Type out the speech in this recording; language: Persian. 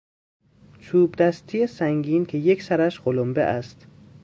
چوبدستی سنگین که یک سرش قلمبه است